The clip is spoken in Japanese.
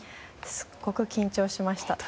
すごく緊張しました。